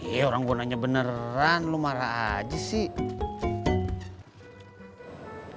iya orang gue nanya beneran lo marah aja sih